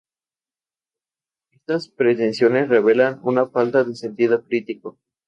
Estas pretensiones, revelan una falta de sentido crítico.